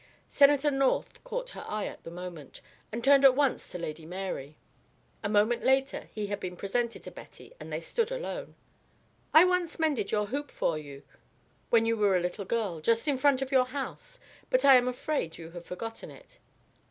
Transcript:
Senator North caught her eye at the moment, and turned at once to Lady Mary. A moment later he had been presented to Betty and they stood alone. "I once mended your hoop for you, when you were a little girl, just in front of your house; but I am afraid you have forgotten it."